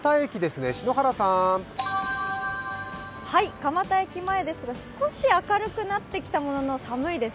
蒲田駅前ですが、少し明るくなってきたものの寒いです。